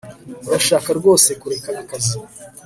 Urashaka rwose kureka akazi